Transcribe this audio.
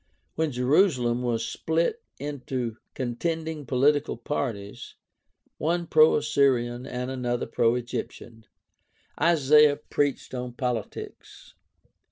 When Jerusalem was split into contending political parties, one pro Assyrian and another pro Egyptian, Isaiah preached on politics.